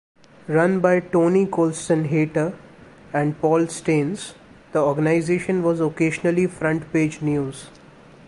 Run by Tony Colston-Hayter and Paul Staines, the organisation was occasionally front-page news.